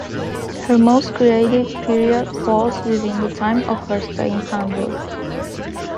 Her most creative period falls within the time of her stay in Hamburg.